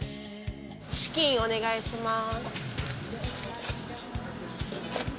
チキンお願いします。